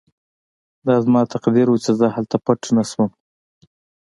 دا زما تقدیر و چې زه هلته پټ نه شوم